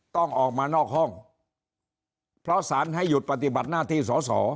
ต้องออกมานอกห้องเพราะสารให้หยุดปฏิบัติหน้าที่สอสอ